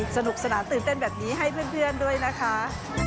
สนุกสนานตื่นเต้นแบบนี้ให้เพื่อนด้วยนะคะ